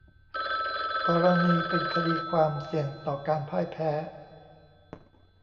กรณีเป็นคดีความเสี่ยงต่อการพ่ายแพ้